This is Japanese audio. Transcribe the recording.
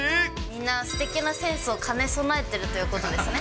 みんな、すてきなセンスを兼ね備えてるということですね。